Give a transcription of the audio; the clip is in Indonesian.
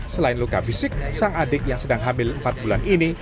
selain luka fisik sang adik yang sedang hamil empat bulan ini